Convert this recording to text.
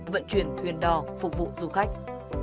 vận chuyển thuyền đò phục vụ du khách